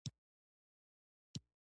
سیلابونه د افغان ماشومانو د زده کړې موضوع ده.